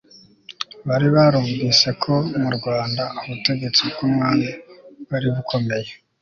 bari barumvise ko mu rwanda ubutegetsi bw'umwami bwari bukomeye